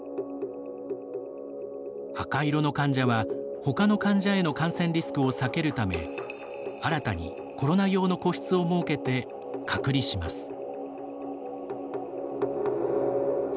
赤色の患者は、ほかの患者への感染リスクを避けるため新たにコロナ用の個室を設けて隔離します。